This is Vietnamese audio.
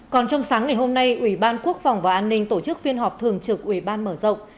còn trong sáng ngày hôm nay ủy ban quốc phòng và an ninh tổ chức phiên họp thường trực ủy ban mở rộng